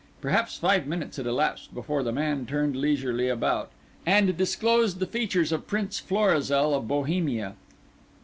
Perhaps five minutes had elapsed before the man turned leisurely about, and disclosed the features of Prince Florizel of Bohemia.